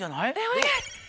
お願い！